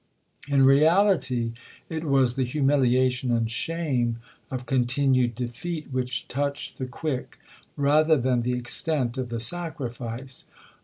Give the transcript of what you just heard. In reality it was the humiliation and shame of continued defeat which touched the quick, rather than the extent of the sacrifice.